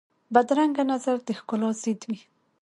بدرنګه نظر د ښکلا ضد وي